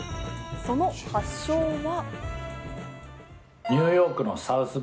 その発祥は。